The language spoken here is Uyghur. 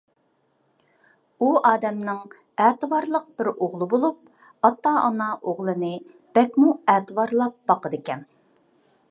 ئۇ ئادەمنىڭ ئەتىۋارلىق بىر ئوغلى بولۇپ، ئاتا - ئانا ئوغلىنى بەكمۇ ئەتىۋارلاپ باقىدىكەن.